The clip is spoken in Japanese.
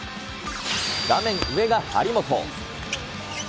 画面上が張本。